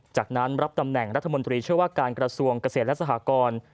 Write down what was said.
จากนั้นรับตำแหน่งรัฐมนตรีช่วยว่าการกระทรวงเกษตรและสหกร